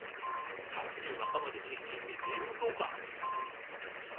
「三十半ばで新人って自民党か！」